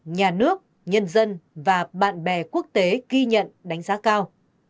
nhân dân và bạn bè quốc tế ghi nhận đánh giá cao